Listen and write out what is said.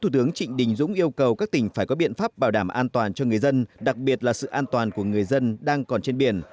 thủ tướng trịnh đình dũng yêu cầu các tỉnh phải có biện pháp bảo đảm an toàn cho người dân đặc biệt là sự an toàn của người dân đang còn trên biển